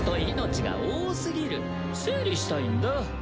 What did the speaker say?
整理したいんだ。